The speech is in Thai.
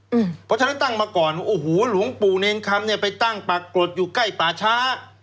เพราะฉะนั้นตั้งมาก่อนว่าโอ้โหหลวงปู่เนรคำเนี่ยไปตั้งปรากฏอยู่ใกล้ป่าช้า